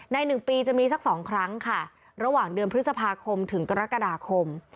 หนึ่งปีจะมีสัก๒ครั้งค่ะระหว่างเดือนพฤษภาคมถึงกรกฎาคม